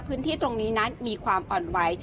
พื้นที่ตรงนี้นั้นมีความอ่อนไหว